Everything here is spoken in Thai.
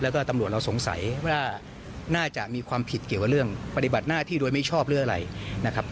แล้วก็ตำรวจเราสงสัยว่าน่าจะมีความผิดเกี่ยวกับเรื่องปฏิบัติหน้าที่โดยไม่ชอบหรืออะไรนะครับ